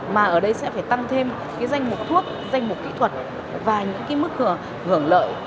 mà ở đây sẽ phải tăng thêm cái danh mục thuốc danh mục kỹ thuật và những mức hưởng lợi